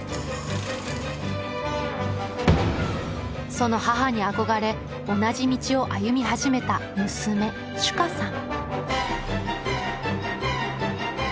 その母に憧れ同じ道を歩み始めた娘珠夏さん。